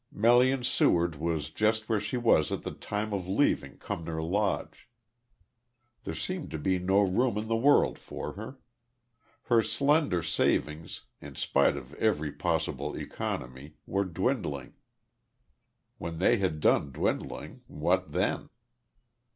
Melian Seward was just where she was at the time of leaving Cumnor Lodge. There seemed to be no room in the world for her. Her slender savings, in spite of every possible economy, were dwindling. When they had done dwindling what then?